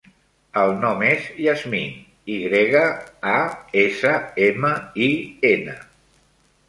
El nom és Yasmin: i grega, a, essa, ema, i, ena.